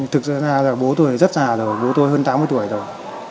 thực ra là bố tôi rất già rồi bố tôi hơn tám mươi tuổi rồi